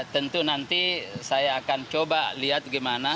tentu nanti saya akan coba lihat gimana